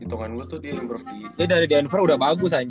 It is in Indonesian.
jadi dari denver udah bagus anjing